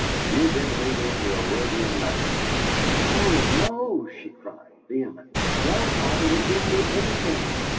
"You've been reading the Arabian Nights!" "No, no," she cried, vehemently. "Grandfather would give me anything.